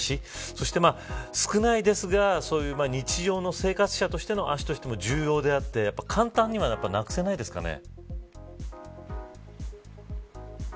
そして少ないですが、日常の生活者の足としても重要であって簡単にはなくせないですかね。